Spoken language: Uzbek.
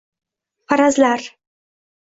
Farazlar